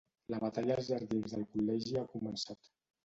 La batalla als jardins del col·legi ha començat.